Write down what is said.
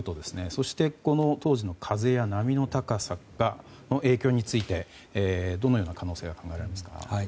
そして、当時の風や波の高さの影響についてどのような可能性が考えられますか？